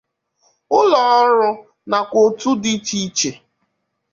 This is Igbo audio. ụlọọrụ nakwa òtù dị iche iche.